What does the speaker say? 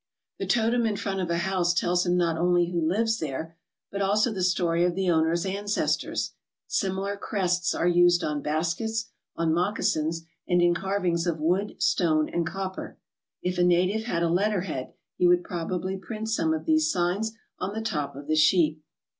The totem in front of a house tells him not only who lives there, but also the story of the owner's ancestors. Similar crests are used on baskets, on moccasins, and in carvings of wood, stone, and copper. If a native had a letterhead he would probably print some of these signs on the top of the sheet.